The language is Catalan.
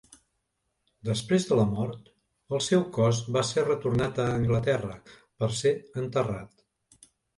Després de la mort, el seu cos va ser retornat a Anglaterra per ser enterrat.